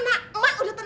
ini harus gue lakuin